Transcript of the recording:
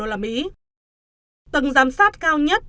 tầng giám sát cao nhất